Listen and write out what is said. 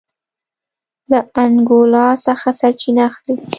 له انګولا څخه سرچینه اخلي.